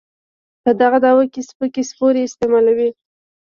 په دغه دعوه کې سپکې سپورې استعمالوي.